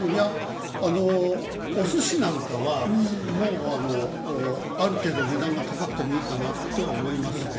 おすしなんかはある程度、値段が高くてもいいかなとは思いますね。